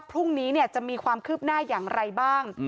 พรุ่งนี้จะมีความคืบหน้าอย่างไรบ้าง